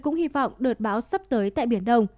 cũng hy vọng đợt bão sắp tới tại biển đông